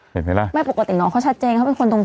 เห็นไหมล่ะไม่ปกติน้องเขาชัดเจนเขาเป็นคนตรง